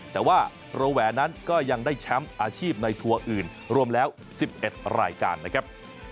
แต่ว่าโรแหวนนั้นก็ยังได้แชมป์อาชีพในทัวร์อื่นรวมแล้ว๑๑รายการนะครับ